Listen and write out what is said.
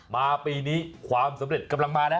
มาปีนี้ความสำเร็จกำลังมานะ